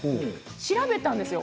調べたんですよ。